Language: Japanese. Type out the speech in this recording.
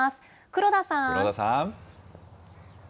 黒田さん。